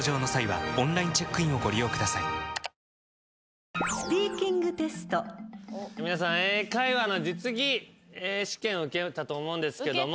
くーーーーーっ皆さん英会話の実技試験受けたと思うんですけども。